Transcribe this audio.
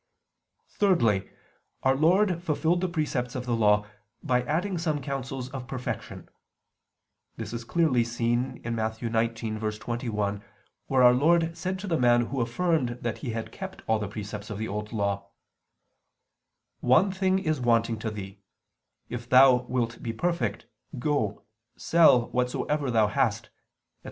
Thirdly, Our Lord fulfilled the precepts of the Law, by adding some counsels of perfection: this is clearly seen in Matt. 19:21, where Our Lord said to the man who affirmed that he had kept all the precepts of the Old Law: "One thing is wanting to thee: If thou wilt be perfect, go, sell whatsoever thou hast," etc.